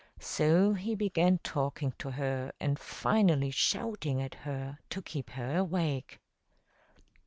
So he began talking to her, and finally shouting at her, to keep her awake.